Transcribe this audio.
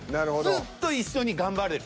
ずっと一緒に頑張れる。